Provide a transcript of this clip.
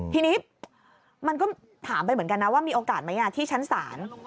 ทีนี้มันก็ถามไปเหมือนกันนะว่ามีโอกาสไหมที่ชั้นศาล